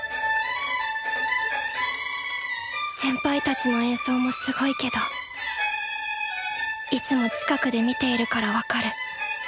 先輩たちの演奏もすごいけどいつも近くで見ているから分かる。